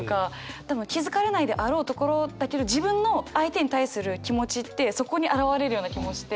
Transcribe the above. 多分気付かれないであろうところだけど自分の相手に対する気持ちってそこに表れるような気もして。